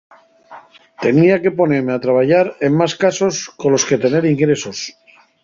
Tenía que poneme a trabayar en más casos, colos que tener ingresos.